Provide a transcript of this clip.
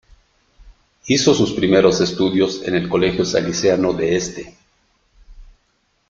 Hizo sus primeros estudios en el Colegio Salesiano de Este.